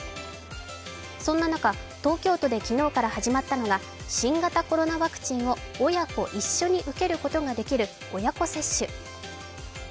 そんな中、東京都で昨日から始まったのが新型コロナワクチンを親子一緒に受けることができる親子接種。